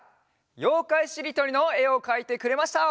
「ようかいしりとり」のえをかいてくれました。